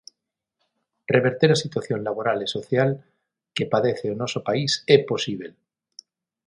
Reverter a situación laboral e social que padece o noso país é posíbel.